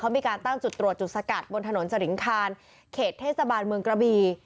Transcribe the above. มีการตั้งจุดตรวจจุดสกัดบนถนนสริงคารเขตเทศบาลเมืองกระบี